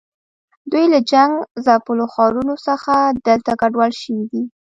دوی له جنګ ځپلو ښارونو څخه دلته کډوال شوي دي.